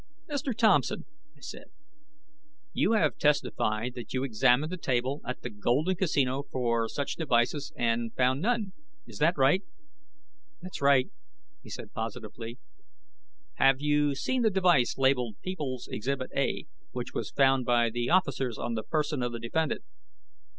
"Mr. Thompson," I said, "you have testified that you examined the table at the Golden Casino for such devices and found none. Is that right?" "That's right," he said positively. "Have you seen the device labeled People's Exhibit A, which was found by the officers on the person of the defendant?"